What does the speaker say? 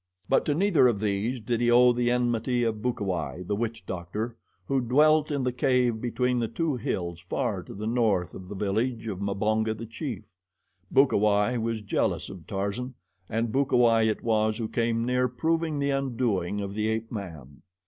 But to neither of these did he owe the enmity of Bukawai, the witch doctor, who dwelt in the cave between the two hills far to the north of the village of Mbonga, the chief. Bukawai was jealous of Tarzan, and Bukawai it was who came near proving the undoing of the ape man.